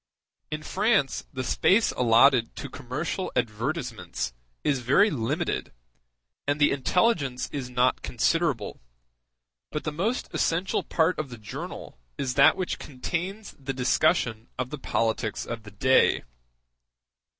In France the space allotted to commercial advertisements is very limited, and the intelligence is not considerable, but the most essential part of the journal is that which contains the discussion of the politics of the day.